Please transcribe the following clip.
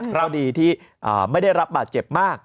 เพราะดีที่ไม่ได้รับบาดเจ็บมาก